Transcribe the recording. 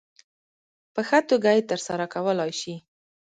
په ښه توګه یې ترسره کولای شي.